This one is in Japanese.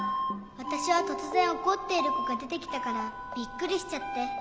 わたしはとつぜんおこっているこがでてきたからびっくりしちゃって。